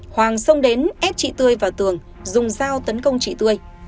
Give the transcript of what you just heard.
hoàng xông đến ép chị tươi vào tường dùng dao tấn công chị tươi